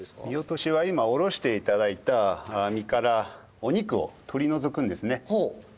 身落としは今おろして頂いた身からお肉を取り除くんですね。